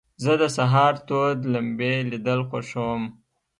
زه د سهار تود لمبې لیدل خوښوم.